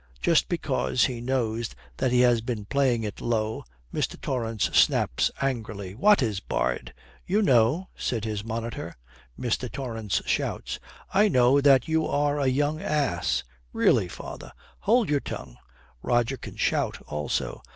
Just because he knows that he has been playing it low, Mr. Torrance snaps angrily, 'What is barred?' 'You know,' says his monitor. Mr. Torrance shouts. 'I know that you are a young ass.' 'Really, father ' 'Hold your tongue.' Roger can shout also.